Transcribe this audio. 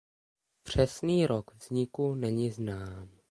Přesný rok vzniku není znám.